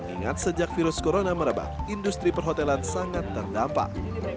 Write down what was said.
ingat sejak virus corona merebak industri perhotelan sangat terdampak